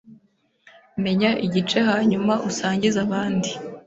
Menya igice hanyuma usangize abandi